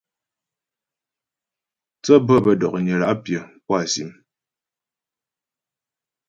Thə́ bhə̌ bə́ dɔ̀knyə la' pyə̌ pú á sìm.